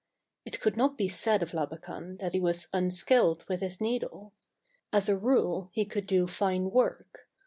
It could not be said of Labakan that he was unskilled with his needle. As a rule he could do fine work.